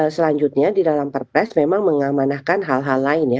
selanjutnya di dalam perpres memang mengamanahkan hal hal lain ya